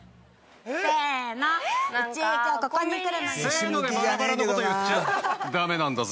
せのでバラバラのこと言っちゃダメなんだぜ。